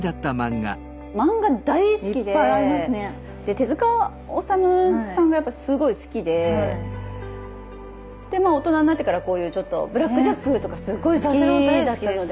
手治虫さんがやっぱすごい好きで大人になってからこういうちょっと「ブラック・ジャック」とかすごい好きだったので。